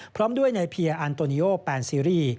พร้อมด้วยในเพียร์อันโตเนโยแปนซีรีย์